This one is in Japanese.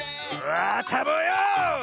あたぼうよ！